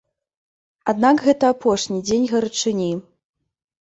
Аднак гэта апошні дзень гарачыні.